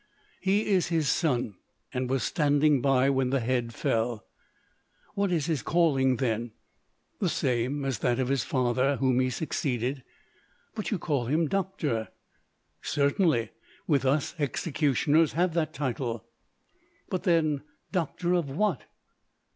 "He is his son, and was standing by when the head fell.". "What is his calling, then?" "The same as that of his father, whom he succeeded." "But you call him 'doctor'?" "Certainly; with us, executioners have that title." "But, then, doctors of what?"